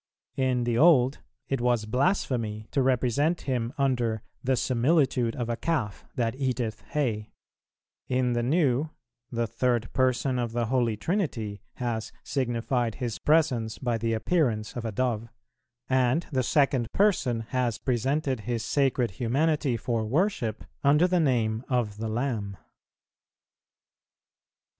In the Old, it was blasphemy to represent Him under "the similitude of a calf that eateth hay;" in the New, the Third Person of the Holy Trinity has signified His Presence by the appearance of a Dove, and the Second Person has presented His sacred Humanity for worship under the name of the Lamb. 8.